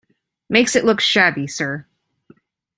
Makes it look shabby, sir.